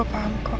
gue paham kok